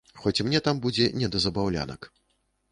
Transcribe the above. Хоць мне там будзе не да забаўлянак.